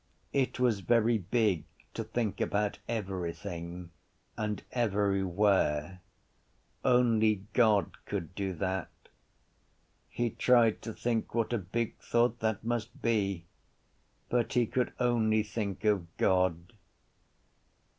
It was very big to think about everything and everywhere. Only God could do that. He tried to think what a big thought that must be but he could only think of God.